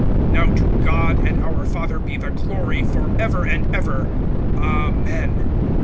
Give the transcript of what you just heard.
(20)Now to God and our Father be the glory forever and ever. Amen.